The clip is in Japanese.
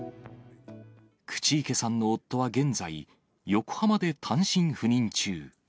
口池さんの夫は現在、横浜で単身赴任中。